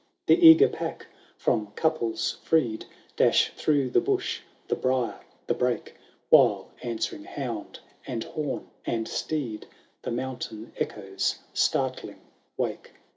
II The eager pack, from couples freed, Dash through the bush, the brier, the bralce ; "While, answering hound, and horn, and steed, The mountain echoes startling wake.